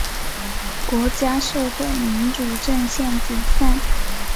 国家社会民主阵线解散。